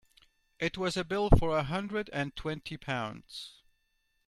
It was a bill for a hundred and twenty pounds.